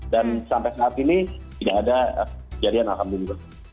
dan sampai saat ini tidak ada kejadian alhamdulillah